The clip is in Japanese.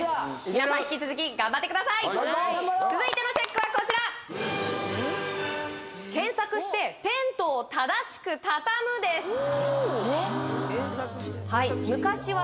皆さん引き続き頑張ってください続いてのＣＨＥＣＫはこちら検索してテントを正しく畳むですえっ？